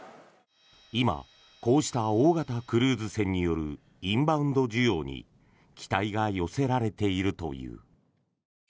今こうした大型クルーズ船によるインバウンド需要に期待が寄せられているという。